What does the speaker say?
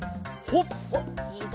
ほっ！